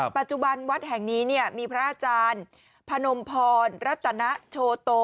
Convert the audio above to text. ปัจจุบันวัดแห่งนี้มีพระอาจารย์พนมพรรัตนโชโต